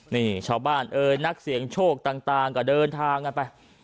นี่ชาวบ้านเอ่ยนักเสียงโชคต่างก็เดินทางกันไป